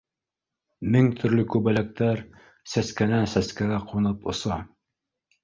Мең төрлө күбәләктәр сәскәнән сәскәгә ҡунып оса